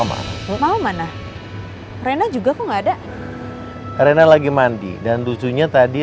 hai mau mana rena juga kok nggak ada karena lagi mandi dan lucunya tadi